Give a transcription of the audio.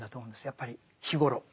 やっぱり日ごろ。